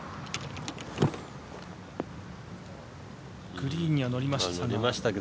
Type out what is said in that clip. グリーンには乗りましたが。